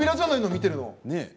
見ているの。